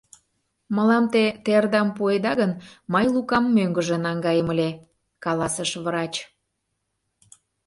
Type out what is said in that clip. — Мылам те тердам пуэда гын, мый Лукам мӧҥгыжӧ наҥгаем ыле, — каласыш врач.